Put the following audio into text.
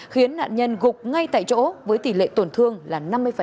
khiến nạn nhân gục ngay tại chỗ với tỷ lệ tổn thương là năm mươi